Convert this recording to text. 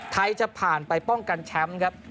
จะผ่านไปป้องกันแชมป์ครับ